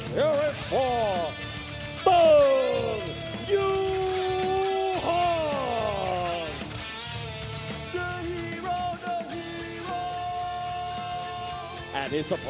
ไปกันกัน